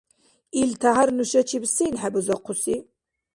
Ил тяхӀяр нушачиб сен хӀебузахъуси?